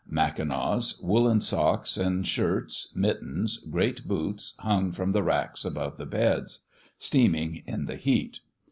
Mackinaws, woolen socks and shirts, mittens, great boots, hung from the racks above the beds, steaming in the heat.